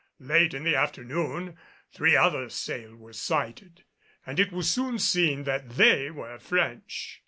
Late in the afternoon three other sail were sighted, and it was soon seen that they were French.